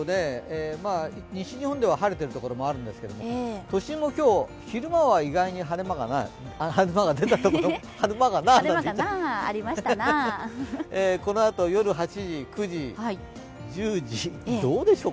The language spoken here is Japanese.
西日本では晴れてるところもあるんですけれども都心も今日、昼間は意外に晴れ間が出たところがありますがこのあと、夜、どうでしょう。